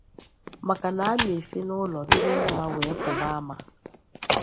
maka na a na-esi n'ụlọ dịrị mma wee pụba ama